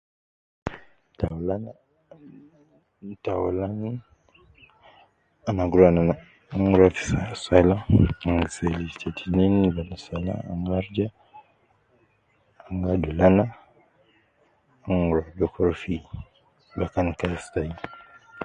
Ta aulan ta aulan ana gu ruwa fi Sala ana ruwa seli ta tinein bada Sala ana gi arija ana gi adulu ana ana gu ruwa dukur fi bakan kazi.